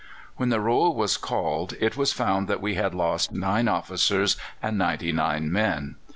When the roll was called it was found that we had lost nine officers and ninety nine men.